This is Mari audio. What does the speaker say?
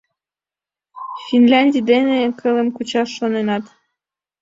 Финляндий дене кылым кучаш шоненат».